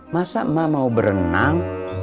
masa emak mau berenang